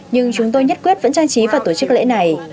nhưng chúng tôi nhất quyết vẫn trang trí và tổ chức lễ này